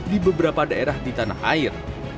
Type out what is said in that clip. di beberapa daerah di tanah air